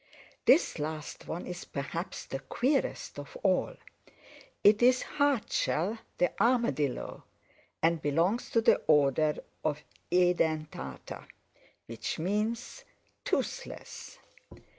This last one is perhaps the queerest of all. It is Hardshell the Armadillo, and belongs to the order of Edentata, which means toothless."